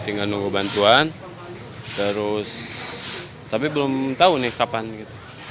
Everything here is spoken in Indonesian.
tinggal nunggu bantuan terus tapi belum tahu nih kapan gitu